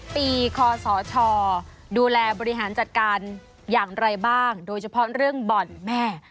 ปีคศดูแลบริหารจัดการอย่างไรบ้างโดยเฉพาะเรื่องบ่อนแม่